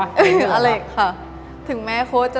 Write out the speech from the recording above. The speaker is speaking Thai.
อะไรค่ะถึงแม้โค้ด